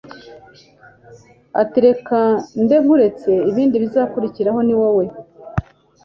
atireka mbe nkuretse ibindi bizakurikiraho niwowe